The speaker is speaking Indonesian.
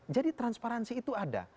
jadi transparansi itu ada